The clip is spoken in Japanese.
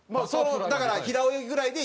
だから平泳ぎぐらいでやめた？